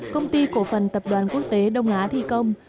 công ty cổ phần tập đoàn quốc tế đông á thi công